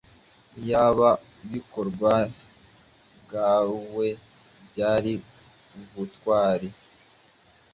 Iyaba ibikorwa byawe byari ubutwari